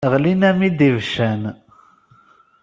Ɣlin-am-id ibeccan.